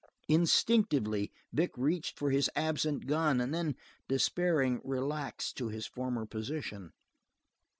Instinctively Vic reached for his absent gun, and then, despairing, relaxed to his former position.